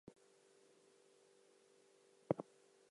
Figgins became the starter at third base.